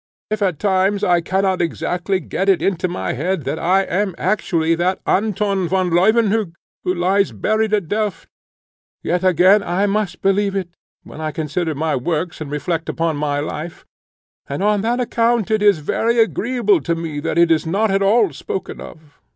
If at times I cannot exactly get it into my head that I am actually that Anton van Leuwenhock, who lies buried at Delft, yet again I must believe it, when I consider my works, and reflect upon my life; and on that account it is very agreeable to me that it is not at all spoken of.